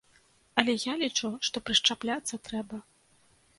Але я лічу, што прышчапляцца трэба.